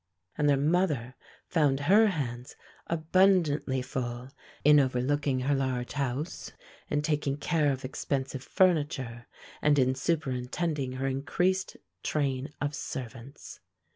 And their mother found her hands abundantly full in overlooking her large house, in taking care of expensive furniture, and in superintending her increased train of servants.